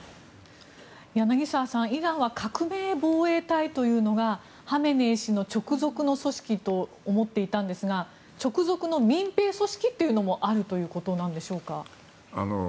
柳澤さん、イランは革命防衛隊というのがハメネイ師の直属の組織と思っていたんですが直属の民兵組織というのもあるということなんでしょうか。